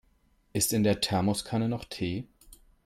Ist in der Thermoskanne noch Tee?